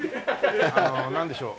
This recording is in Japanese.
あのなんでしょう